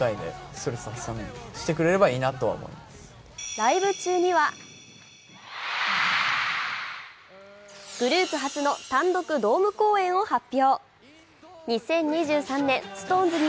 ライブ中にはグループ初の単独ドーム公演を発表。